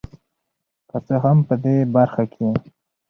که څه هم په دې برخه کې